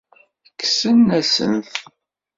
Kksen-asen-t.